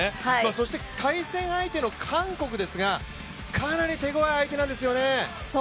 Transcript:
そして対戦相手の韓国ですがかなり手ごわい相手なんですよね。